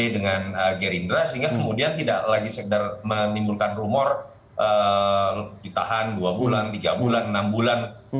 dengan gerindra sehingga kemudian tidak lagi sekedar menimbulkan rumor ditahan dua bulan tiga bulan enam bulan